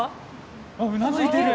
あ、うなずいてる。